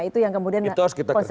itu yang kemudian konsekuensi